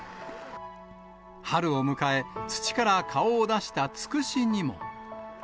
春を迎え、土から顔を出したつくしにも。